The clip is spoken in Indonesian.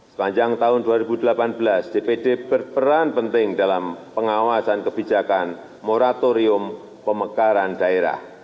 sepanjang tahun dua ribu delapan belas dpd berperan penting dalam pengawasan kebijakan moratorium pemekaran daerah